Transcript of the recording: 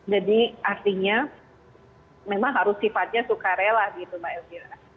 jadi artinya memang harus sifatnya suka rela gitu mbak elvira